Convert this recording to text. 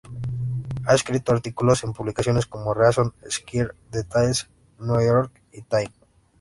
Ha escrito artículos en publicaciones como "Reason", "Esquire", "Details", "New York" y "Time".